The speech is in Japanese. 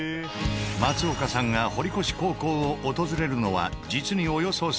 松岡さんが堀越高校を訪れるのは実におよそ３０年ぶり。